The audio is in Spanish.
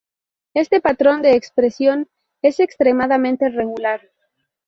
Este patrón de expresión es extremadamente regular.